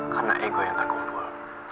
karena ego yang terkumpul